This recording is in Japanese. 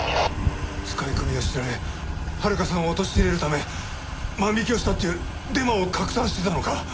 使い込みを知られ遥さんを陥れるため万引きをしたっていうデマを拡散してたのか！